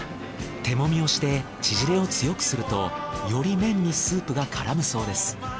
手もみをしてちぢれを強くするとより麺にスープがからむそうです。